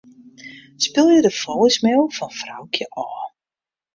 Spylje de voicemail fan Froukje ôf.